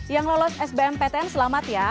yang lolos sbm ptn selamat ya